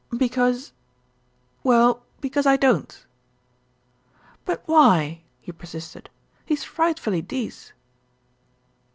"Because well, because I don't." "But why?" he persisted. "He's frightfully dece."